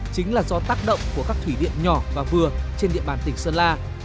chính là do tác động của các thủy điện nhỏ và vừa trên địa bàn tỉnh sơn la